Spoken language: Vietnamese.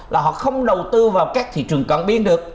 là họ không đầu tư vào các thị trường cận biên được